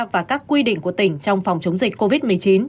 và các quy định của tỉnh trong phòng chống dịch covid một mươi chín